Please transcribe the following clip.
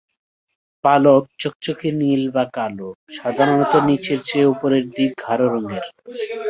পালক চকচকে নীল বা কালো, সাধারণত নিচের চেয়ে উপরের দিক গাঢ় রঙের।